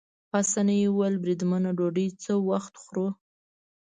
پاسیني وویل: بریدمنه ډوډۍ څه وخت خورو؟